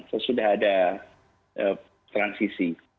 sesudah ada transisi